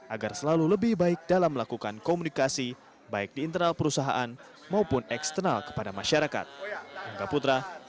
agar selalu lebih baik dalam melakukan komunikasi baik di internal perusahaan maupun eksternal kepada masyarakat